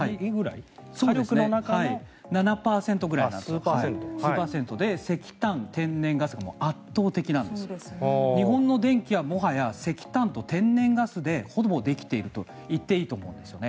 火力の中の数パーセントで石炭、天然ガスが圧倒的なんです日本の電気はもはや、石炭と天然ガスでほぼできていると言っていいと思いますね。